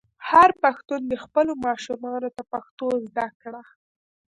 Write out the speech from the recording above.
هر پښتون دې خپلو ماشومانو ته پښتو زده کړه.